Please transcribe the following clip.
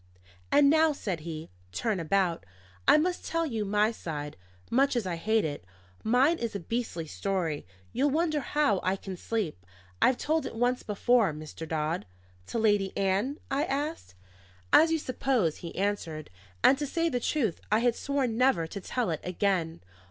"And now," said he, "turn about: I must tell you my side, much as I hate it. Mine is a beastly story. You'll wonder how I can sleep. I've told it once before, Mr. Dodd." "To Lady Ann?" I asked. "As you suppose," he answered; "and to say the truth, I had sworn never to tell it again.